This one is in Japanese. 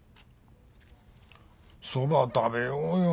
そば食べようよ。